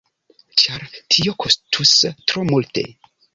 Ĉar tio kostus tro multe.